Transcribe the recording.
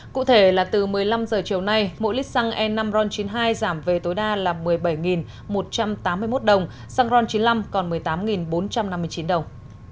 cụ thể là từ một mươi năm h chiều nay mỗi lít xăng e năm ron chín mươi hai giảm về tối đa là một mươi bảy một trăm tám mươi một đồng xăng ron chín mươi năm còn một mươi tám bốn trăm năm mươi chín đồng